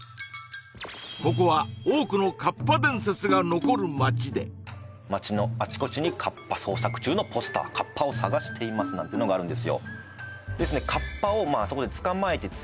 ここは多くの河童伝説が残る町で町のあちこちにカッパ捜索中のポスター「カッパを探しています」なんていうのがあるんですよ